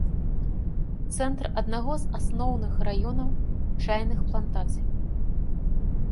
Цэнтр аднаго з асноўных раёнаў чайных плантацый.